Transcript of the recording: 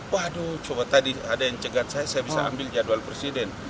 waduh coba tadi ada yang cegat saya saya bisa ambil jadwal presiden